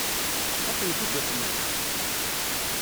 Ad tent-id-uqment?